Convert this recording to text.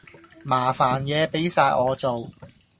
麻煩野俾哂我做